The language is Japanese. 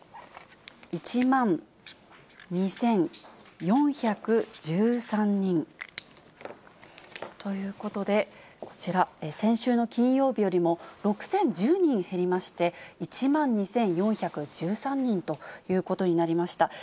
１万２４１３人。ということで、こちら、先週の金曜日よりも６０１０人減りまして、１万２４１３人ということになりました。